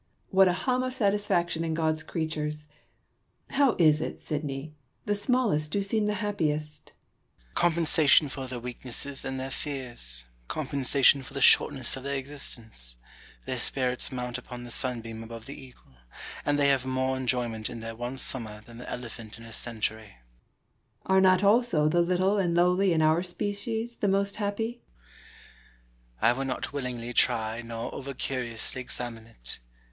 What a hum of satisfaction in God's creatures ! How is it, Sidney, the smallest do seem the happiest *? Sidney. Compensation for their weaknesses and their fears ; compensation for the shortness of their existence. TJiwir spirits mount upon the sunbeam above the eagle ; LORD BROOKE AND SIR PHILIP SIDNEY. 159 and they have more enjoyment in their one summer than the elephant in his century. Brooke. Are not also the little and lowly in our species the most happy 1 Sidney. I would not willingly try nor over curiously examine it.